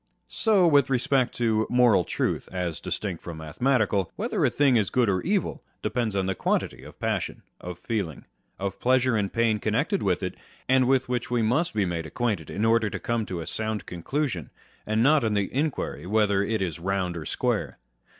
So with respect to moral truth (as distinct from mathematical), whether a thing is good or evil, depends on the quantity of passion, of feeling, of pleasure and pain connected with it, and with which we must be made acquainted in order to come to a sound conclusion, and not on the inquiry whether it is round or square.